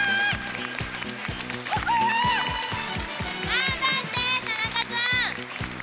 頑張って田中君！